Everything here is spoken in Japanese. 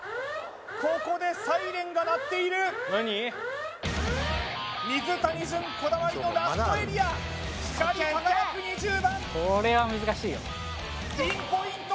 ここでサイレンが鳴っている水谷隼こだわりのラストエリア光り輝く２０番ピンポイント